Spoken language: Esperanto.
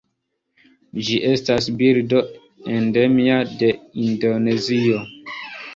Ĝi estas birdo endemia de Indonezio.